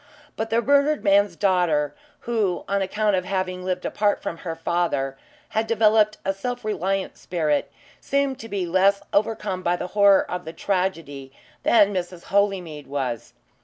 But the murdered man's daughter, who, on account of having lived apart from her father, had developed a self reliant spirit, seemed to be less overcome by the horror of the tragedy than Mrs. Holymead was.